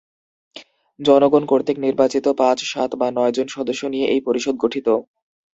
জনগণ কর্তৃক নির্বাচিত পাঁচ, সাত বা নয় জন সদস্য নিয়ে এই পরিষদ গঠিত।